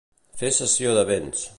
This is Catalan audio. Fer cessió de béns.